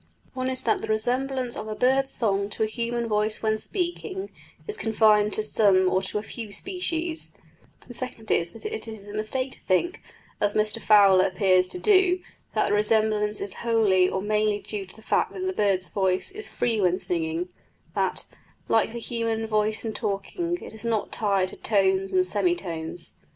One is that the resemblance of a bird's song to a human voice when speaking is confined to some or to a few species; the second is that it is a mistake to think, as Mr Fowler appears to do, that the resemblance is wholly or mainly due to the fact that the bird's voice is free when singing that, like the human voice in talking, it is not tied to tones and semitones.